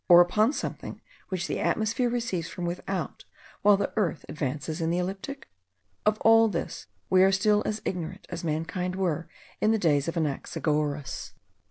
or upon something which the atmosphere receives from without, while the earth advances in the ecliptic? Of all this we are still as ignorant as mankind were in the days of Anaxagoras.